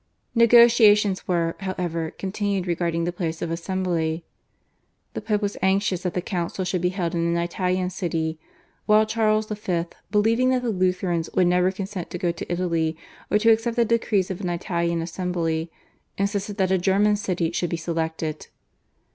Negotiations were, however, continued regarding the place of assembly. The Pope was anxious that the council should be held in an Italian city, while Charles V., believing that the Lutherans would never consent to go to Italy or to accept the decrees of an Italian assembly, insisted that a German city should be selected.